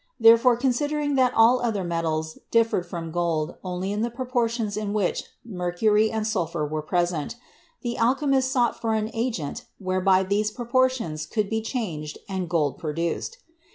Therefore, considering that all other metals differed from gold only in the proportions in which mercury and sulfur were present, the alchemists sought for an agent whereby these proportions could be changed and gold produced.